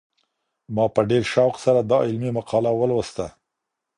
ما په ډېر شوق سره دا علمي مقاله ولوسته.